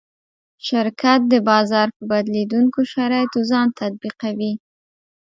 شرکت د بازار په بدلېدونکو شرایطو ځان تطبیقوي.